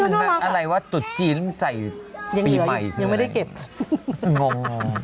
นั่นอะไรวะตุ๊ดจีนใส่ปีใหม่หยิบน่ะงง